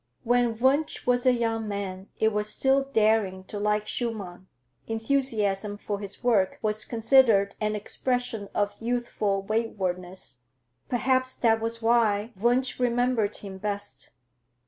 When Wunsch was a young man, it was still daring to like Schumann; enthusiasm for his work was considered an expression of youthful waywardness. Perhaps that was why Wunsch remembered him best.